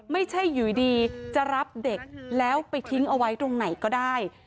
ไม่ใช่อยู่ดีจะรับเด็กแล้วไปทิ้งเอาไว้ตรงไหนก็ได้